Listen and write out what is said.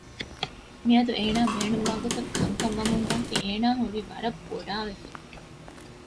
މިއަދު އޭނާ ބޭނުންވާ ގޮތަށް ކަންކަން ވަމުންދާތީ އޭނާ ހުރީ ވަރަށް ބޮޑާވެފަ